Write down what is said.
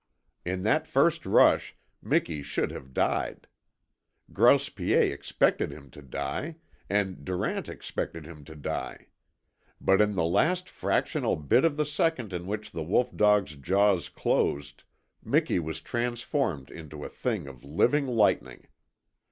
In that first rush Miki should have died. Grouse Piet expected him to die, and Durant expected him to die. But in the last fractional bit of the second in which the wolf dog's jaws closed, Miki was transformed into a thing of living lightning.